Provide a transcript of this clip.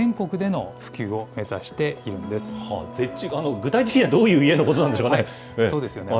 具体的にはどういう家のことなんそうですよね。